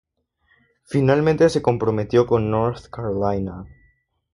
Finalmente se comprometió con North Carolina.